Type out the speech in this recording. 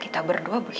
kita berdua bisa berjaya